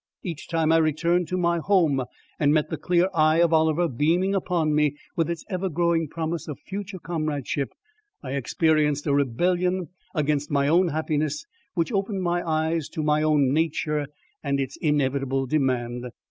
Each time I returned to my home and met the clear eye of Oliver beaming upon me with its ever growing promise of future comradeship, I experienced a rebellion against my own happiness which opened my eyes to my own nature and its inevitable demand.